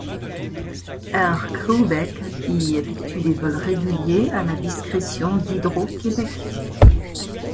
Air Creebec y effectue des vols réguliers à la discrétion d'Hydro-Québec.